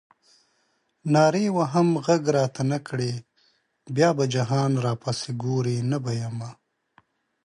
نارې وهم غږ راته نه کړې بیا به جهان راپسې ګورې نه به یمه.